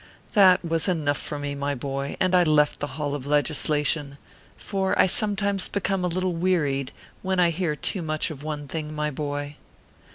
That was enough for me ; my boy, and I left the hall of legislation ; for I sometimes become a little wearied when I hear too much of one thing,, my boy.